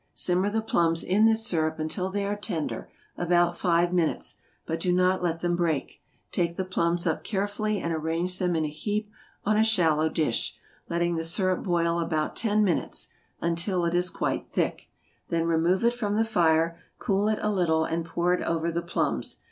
Simmer the plums in this syrup until they are tender, about five minutes, but do not let them break; take the plums up carefully and arrange them in a heap on a shallow dish, letting the syrup boil about ten minutes, until it is quite thick; then remove it from the fire, cool it a little, and pour it over the plums.